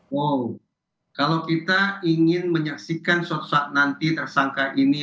wow kalau kita ingin menyaksikan suatu saat nanti tersangka ini